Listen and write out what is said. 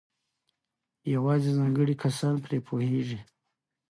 یوازې ځانګړي کسان پرې پوهېږي.